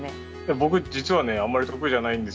僕、実はあんまり得意じゃないんです。